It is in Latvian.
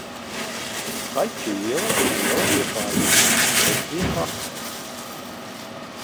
Kaļķu iela ir iela Liepājā, Vecliepājas apkaimē.